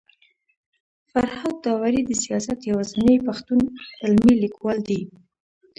فرهاد داوري د سياست يوازنی پښتون علمي ليکوال دی